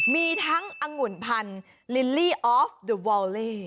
มีทั้งอังุณพันธุ์ลิลลี่ออฟดูวอลลี่